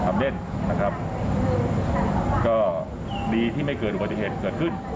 อันเด็นนะครับก็ดีที่ไม่เกิดอุโมทยีตเกิดขึ้น